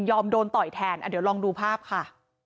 โดนต่อยแทนเดี๋ยวลองดูภาพค่ะ